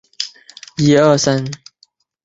布达拉宫的主体建筑由三部分组成。